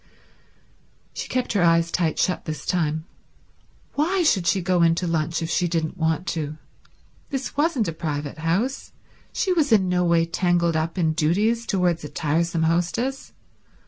She kept her eyes tight shut this time. Why should she go in to lunch if she didn't want to? This wasn't a private house; she was in no way tangled up in duties towards a tiresome hostess.